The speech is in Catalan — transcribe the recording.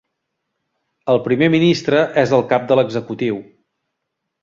El primer ministre és el cap de l'executiu.